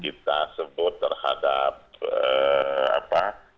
kita sebut terhadap apa mereka yang berdekatan